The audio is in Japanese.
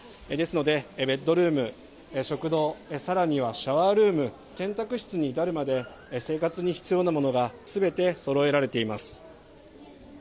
ですので、ベッドルーム、食堂、さらにはシャワールーム、洗濯室に至るまで、生活に必要なものがすべてそろえられています。